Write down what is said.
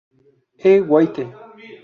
E. Waite.